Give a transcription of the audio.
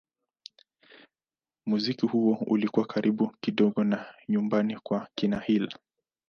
Muziki huo ulikuwa karibu kidogo na nyumbani kwa kina Hill.